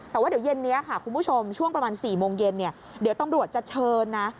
แต่ว่าเดี๋ยวเย็นนี้ค่ะคุณผู้ชมช่วงประมาณ๔โมงเย็นเดี๋ยวตำรวจจะเชิญนะ